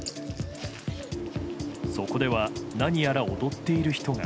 そこでは何やら踊っている人が。